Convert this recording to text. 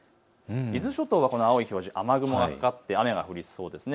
伊豆諸島は青い表示、雨雲がかかって雨が降りそうです。